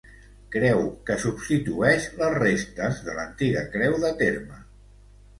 Creu que substitueix les restes de l'antiga creu de terme.